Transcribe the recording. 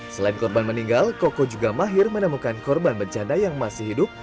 selain korban meninggal koko juga mahir menemukan korban bencana yang masih hidup